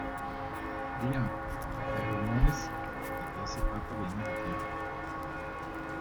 Julia, hay rumores de que ese pato viene de tierra